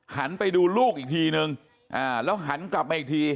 หันไปดูลูกอีกทีนึงแล้วหันกลับมาอีกที